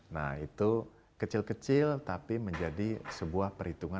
nah itu kecil kecil tapi menjadi sebuah perhitungan